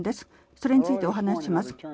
それについてお話します。